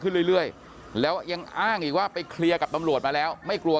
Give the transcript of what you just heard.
ขึ้นเรื่อยแล้วยังอ้างอีกว่าไปเคลียร์กับตำรวจมาแล้วไม่กลัว